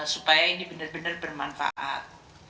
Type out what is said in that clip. supaya ini benar benar bermanfaat